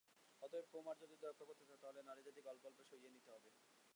অতএব কৌমার্য যদি রক্ষা করতে চাও তা হলে নারীজাতিকে অল্পে অল্পে সইয়ে নিতে হবে।